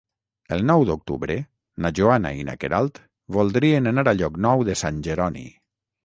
El nou d'octubre na Joana i na Queralt voldrien anar a Llocnou de Sant Jeroni.